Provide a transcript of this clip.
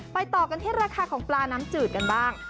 ต่อกันที่ราคาของปลาน้ำจืดกันบ้าง